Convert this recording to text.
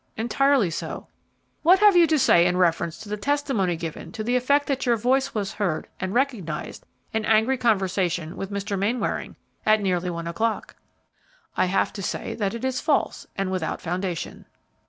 "Entirely so." "What have you to say in reference to the testimony given to the effect that your voice was heard and recognized in angry conversation with Mr. Mainwaring at nearly one o'clock?" "I have to say that it is false, and without foundation."